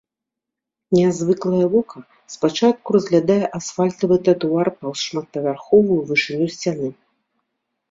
Нязвыклае вока спачатку разглядае асфальтавы тратуар паўз шматпавярховую вышыню сцяны.